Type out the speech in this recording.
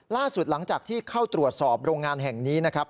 ล่าสุดหลังจากที่เข้าตรวจสอบโรงงานแห่งนี้นะครับ